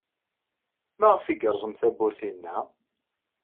Maɣef ay yerẓem tawwurt-inna?